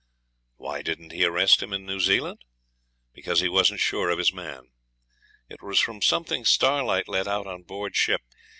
Why didn't he arrest him in New Zealand? Because he wasn't sure of his man. It was from something Starlight let out on board ship.